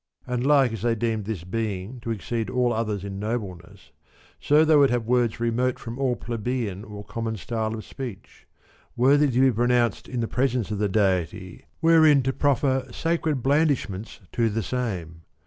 And like as they deemed this being to exceed all others in nobleness, so they would have words remote from all plebeian or common style of speech worthy to be pronounced in the presence of the Deity wherein to proffer sacred blandishments to the same.